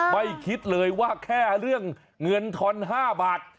ไม่คิดเลยว่าแค่เรื่องเงินทอน๕บาท